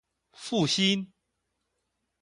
復興